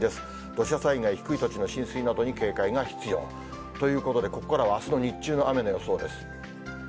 土砂災害、低い土地の浸水などに警戒が必要。ということで、ここからはあすの日中の雨の予想です。